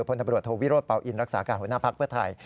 พลตำรวจโทวิโรธเป่าอินรักษาการหัวหน้าภักดิ์เพื่อไทย